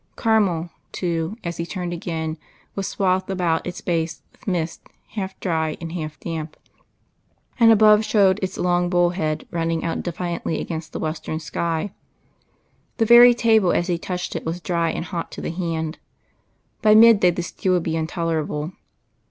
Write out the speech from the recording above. Carmel, too, as he turned again, was swathed about its base with mist, half dry and half damp, and above showed its long bull head running out defiantly against the western sky. The very table as he touched it was dry and hot to the hand, by mid day the steel would be intolerable.